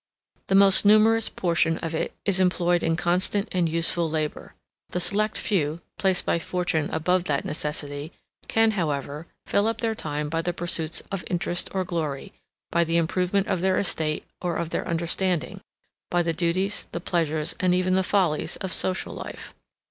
The most numerous portion of it is employed in constant and useful labor. The select few, placed by fortune above that necessity, can, however, fill up their time by the pursuits of interest or glory, by the improvement of their estate or of their understanding, by the duties, the pleasures, and even the follies of social life.